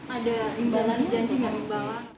ada imbalan janji gak